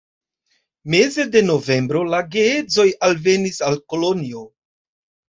Meze de novembro la geedzoj alvenis al Kolonjo.